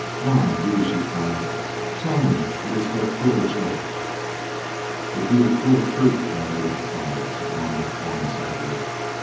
"Mon Dieu!" she cried, "Tell me it is but a cruel joke." "It be the cruel truth, My Lady Bertrade," said Norman of Torn sadly.